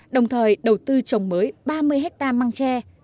đồng thời đầu tư trồng mới ba mươi hectare măng tre